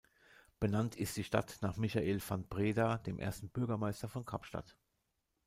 Benannt ist die Stadt nach Michael van Breda, dem ersten Bürgermeister von Kapstadt.